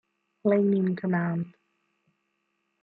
Lane in command.